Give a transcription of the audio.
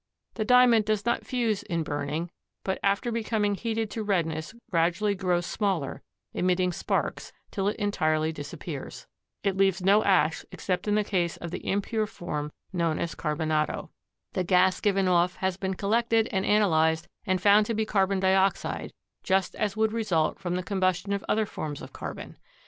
The Diamond does not fuse in burning, but after becoming heated to redness gradually grows smaller, emitting sparks, till it entirely disappears. It leaves no ash except in the case of the impure form known as carbonado. The gas given off has been collected and analyzed and found to be carbon dioxide just as would result from the combustion of other forms of carbon.